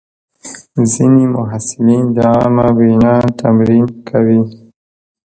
ځینې محصلین د عامه وینا تمرین کوي.